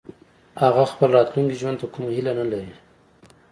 هغه خپل راتلونکي ژوند ته کومه هيله نه لري